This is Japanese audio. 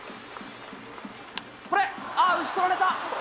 これ、打ち取られた。